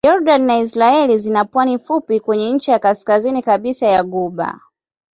Yordani na Israel zina pwani fupi kwenye ncha ya kaskazini kabisa ya ghuba.